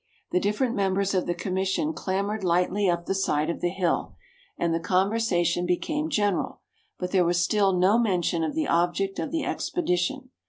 The different members of the commission clambered lightly up the side of the hill, and the conversation became general, but there was still no mention of the object of the expedition.